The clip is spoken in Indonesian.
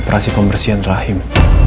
operasi pembersihan rahim